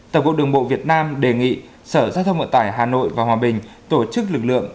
tổng cục đường bộ việt nam đề nghị sở giao thông vận tải hà nội và hòa bình tổ chức lực lượng